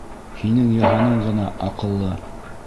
Һинең Йыһаның ғына аҡыллы!